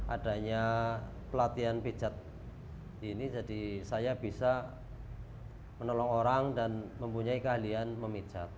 adanya pelatihan pijat ini jadi saya bisa menolong orang dan mempunyai keahlian memijat